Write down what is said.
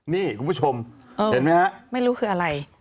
นี่คุณผู้ชมเห็นไหมฮะไม่รู้คืออะไร